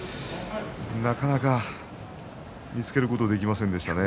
なかなか見つけることができませんでしたね。